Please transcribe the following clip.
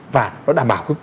và nó đảm bảo cái quyền lợi